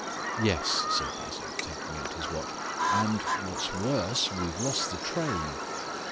"Yes," said Basil, taking out his watch, "and, what's worse, we've lost the train."